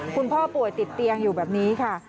ผู้ป่วยติดเตียงอยู่แบบนี้ค่ะ